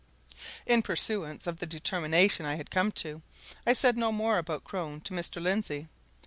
In pursuance of the determination I had come to, I said no more about Crone to Mr. Lindsey.